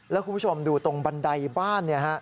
แล้วคุณผู้ชมดูตรงบันไดบ้าน